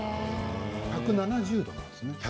１７０度なんですね。